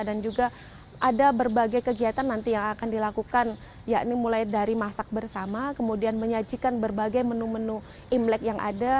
dan juga ada berbagai kegiatan nanti yang akan dilakukan yakni mulai dari masak bersama kemudian menyajikan berbagai menu menu imlek yang ada